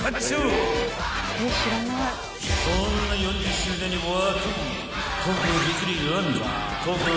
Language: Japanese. ［そんな４０周年に沸く］